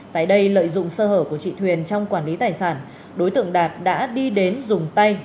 tại đây lợi dụng sơ hở của chị thuyền trong quản lý tài sản đối tượng đạt đã đi đến dùng tay